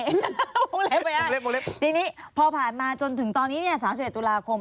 ทีนี้พอผ่านมาจนถึงตอนนี้เนี่ย๓๑ตุลาคม